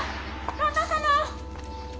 旦那様！